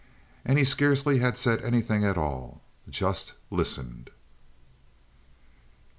And he scarcely had said anything at all—just listened.